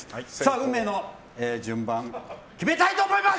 運命の順番決めたいと思います！